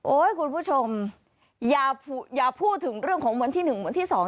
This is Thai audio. คุณผู้ชมอย่าพูดถึงเรื่องของวันที่๑วันที่๒